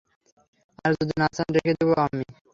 আর যদি না চান, রেখে দেবো আমি।